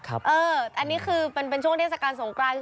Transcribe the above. อันนี้คือเป็นช่วงเทศกาลสงกราน